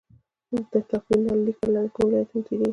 د ټاپي نل لیکه له کومو ولایتونو تیریږي؟